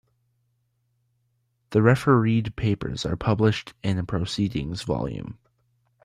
The refereed papers are published in a proceedings volume.